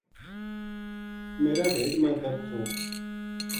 میرا ڈھیڈ ما درد تھو